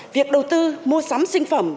việc đầu tư mua sắm sinh phẩm vật tư